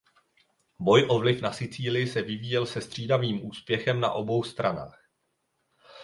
Boj o vliv na Sicílii se vyvíjel se střídavým úspěchem na obou stranách.